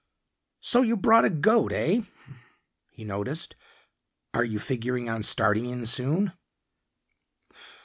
"So, you brought a goat, heh?" he noticed. "Are you figuring on starting in soon?"